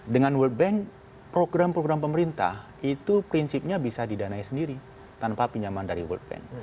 dengan world bank program program pemerintah itu prinsipnya bisa didanai sendiri tanpa pinjaman dari world bank